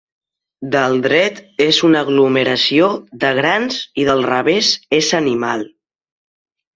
Del dret és una aglomeració de grans i del revés és animal.